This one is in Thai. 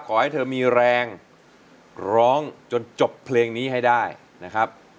ขอให้เธอมีแรงร้องจนจบเพลงนี้ให้ได้นะครับ